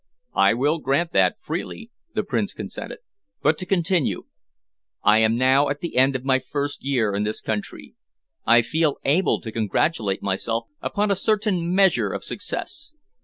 "I will grant that freely," the Prince consented. "But to continue. I am now at the end of my first year in this country. I feel able to congratulate myself upon a certain measure of success.